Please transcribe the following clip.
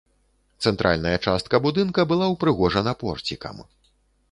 Цэнтральная частка будынка была ўпрыгожана порцікам.